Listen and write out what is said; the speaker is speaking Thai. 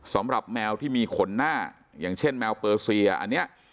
แมวที่มีขนหน้าอย่างเช่นแมวเปอร์เซียอันนี้